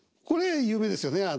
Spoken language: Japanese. これ有名ですよね